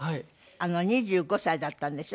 ２５歳だったんですよ？